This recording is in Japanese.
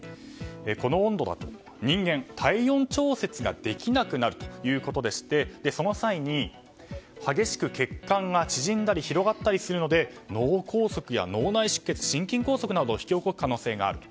この温度だと、人間は体温調節ができなくなるということでしてその際に、激しく血管が縮んだり広がったりするので脳梗塞や脳内出血心筋梗塞などを引き起こす可能性がある。